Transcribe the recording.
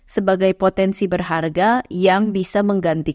sebagai potensi berharga yang bisa menggantikan